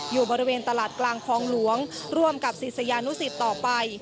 อยู่บริเวณตลาดกลางคลองหลวงร่วมกับศิษยานุสิตต่อไป